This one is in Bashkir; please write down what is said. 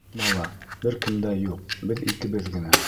Ҡурҡма ла, бер кем дә юҡ, беҙ икебеҙ генә...